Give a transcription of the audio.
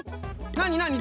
なになに？